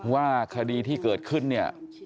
ว่าคดีที่เกิดขึ้นเนี่ย